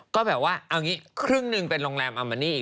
ก็แบบว่าเอางี้ครึ่งหนึ่งเป็นโรงแรมอัมมานี่